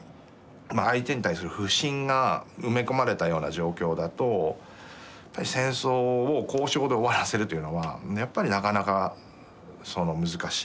相手に対する不信が埋め込まれたような状況だと戦争を交渉で終わらせるというのはやっぱりなかなか難しい。